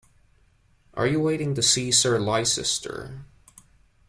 Are you waiting to see Sir Leicester?